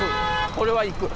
これは行く。